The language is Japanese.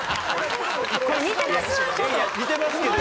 似てますけど。